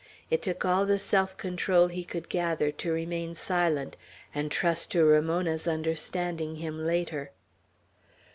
It took all the self control he could gather, to remain silent, and trust to Ramona's understanding him later.